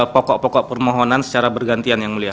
pokok pokok permohonan secara bergantian yang mulia